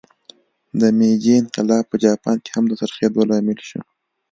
د میجي انقلاب په جاپان کې هم د څرخېدو لامل شو.